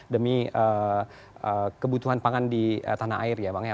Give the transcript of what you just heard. demi kebutuhan pangan di tanah air ya bang ya